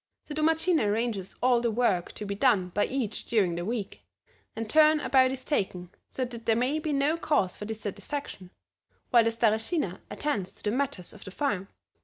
The Domatchina arranges all the work to be done by each during the week, and turn about is taken, so that there may be no cause for dissatisfaction, while the Stareshina attends to the matters of the farm.